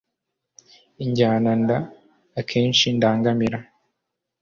injyana nda akesha ndangamira